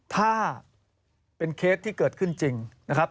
ถ้าเป็นเคสที่เกิดขึ้นจริงนะครับ